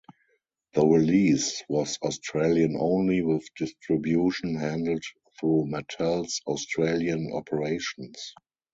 The release was Australian-only with distribution handled through Mattel's Australian operations.